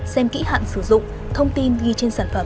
xem kỹ hạn sử dụng thông tin ghi trên sản phẩm